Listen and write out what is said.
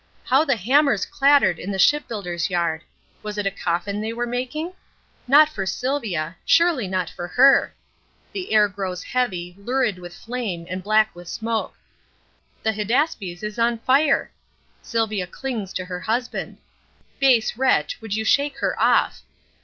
How the hammers clattered in the shipbuilder's yard! Was it a coffin they were making? Not for Sylvia surely not for her! The air grows heavy, lurid with flame, and black with smoke. The Hydaspes is on fire! Sylvia clings to her husband. Base wretch, would you shake her off!